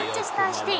シティ。